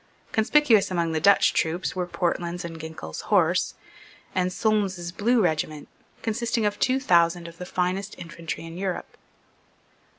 Conspicuous among the Dutch troops were Portland's and Ginkell's Horse, and Solmes's Blue regiment, consisting of two thousand of the finest infantry in Europe.